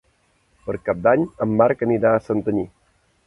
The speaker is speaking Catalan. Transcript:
Per Cap d'Any en Marc anirà a Santanyí.